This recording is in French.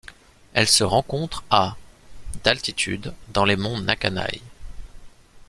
Elle se rencontre à d'altitude dans les monts Nakanai.